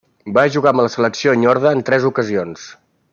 Va jugar amb la selecció espanyola en tres ocasions.